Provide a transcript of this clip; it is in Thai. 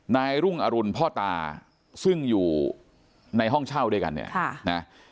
นายรุ่งอรุณพ่อตาซึ่งอยู่ในห้องเช่าด้วยกันเนี่ยนะ